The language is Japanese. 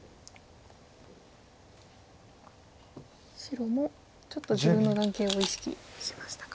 白もちょっと自分の眼形を意識しましたか。